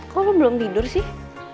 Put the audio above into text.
kok aku belum tidur sih